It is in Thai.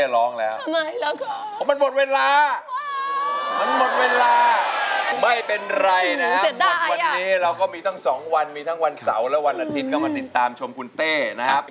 ร้องต่อเลยคุณป๊าเล่นต่อเพลงที่๓